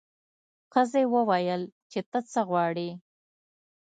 ښځې وویل چې ته څه غواړې.